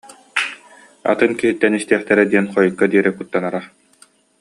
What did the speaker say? Атын киһиттэн истиэхтэрэ диэн хойукка диэри куттанара